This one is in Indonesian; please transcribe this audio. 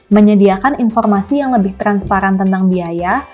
menyediakan informasi yang lebih transparan tentang biaya